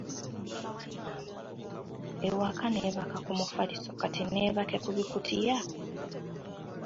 Gwe maama wa Nambo, ewaka nebaka ku mufaliso kati nebake ku bikutiya?”